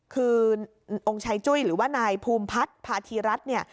คือองค์ชายจุ้ยหรือว่านายภูมิพัฒน์พาธีรัฐเนี่ย